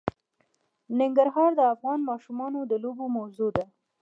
ننګرهار د افغان ماشومانو د لوبو موضوع ده.